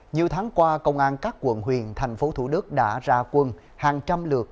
nhiều tháng qua công an các quận huyện thành phố thủ đức đã ra quân hàng trăm lượt